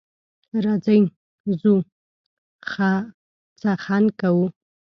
راځئ ځو څخنک کوو.